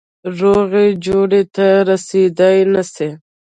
روغي جوړي ته رسېدلای نه سي.